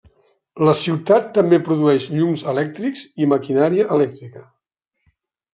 La ciutat també produeix llums elèctrics i maquinària elèctrica.